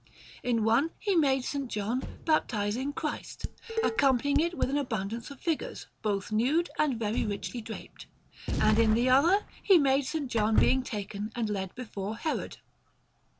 In one he made S. John baptizing Christ, accompanying it with an abundance of figures, both nude and very richly draped; and in the other he made S. John being taken and led before Herod.